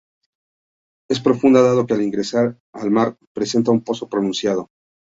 Es profunda, dado que al ingresar al mar presenta un pozo pronunciado.